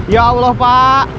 ya allah pak